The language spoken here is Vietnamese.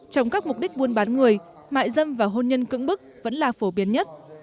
trong các mục đích buôn bán người mại dâm và hôn nhân cứng bức vẫn là phổ biến nhất